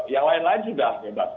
yang lain lain sudah bebas